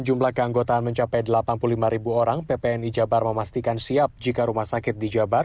jumlah keanggotaan mencapai delapan puluh lima ribu orang ppni jabar memastikan siap jika rumah sakit di jabar